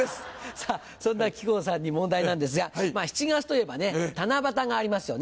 さぁそんな木久扇さんに問題なんですが７月といえば七夕がありますよね。